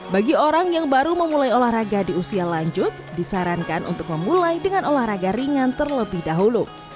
bagi orang yang baru memulai olahraga di usia lanjut disarankan untuk memulai dengan olahraga ringan terlebih dahulu